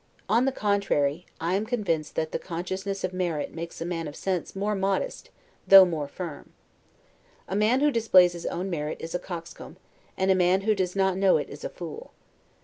On the contrary, I am convinced that the consciousness of merit makes a man of sense more modest, though more firm. A man who displays his own merit is a coxcomb, and a man who does not know it is a fool.